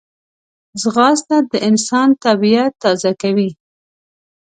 ځغاسته د انسان طبیعت تازه کوي